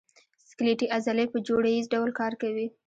سکلیټي عضلې په جوړه ییز ډول کار کوي.